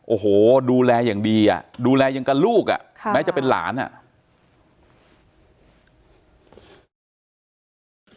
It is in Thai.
โอ้โหดูแลอย่างดีอ่ะดูแลอย่างกับลูกอ่ะแม้จะเป็นหลานอ่ะ